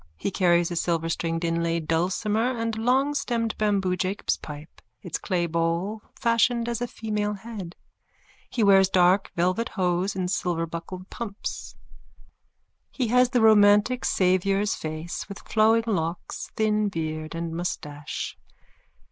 He carries a silverstringed inlaid dulcimer and a longstemmed bamboo Jacob's pipe, its clay bowl fashioned as a female head. He wears dark velvet hose and silverbuckled pumps. He has the romantic Saviour's face with flowing locks, thin beard and moustache.